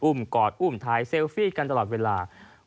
กอดอุ้มถ่ายเซลฟี่กันตลอดเวลา